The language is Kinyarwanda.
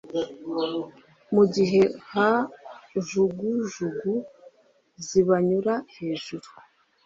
mu gihe kajugujugu zibanyura hejuru.